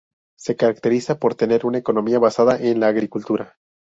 Se caracteriza por tener una economía basada en la agricultura.